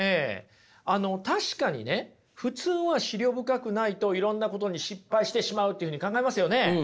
確かにね普通は思慮深くないといろんなことに失敗してしまうというふうに考えますよね。